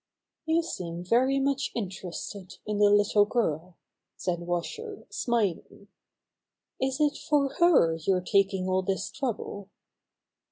"You seem very much interested in the little girl," said Washer, smiling. "Is it for her you're taking all this trouble?"